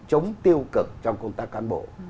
chống tiêu cực trong công tác cán bộ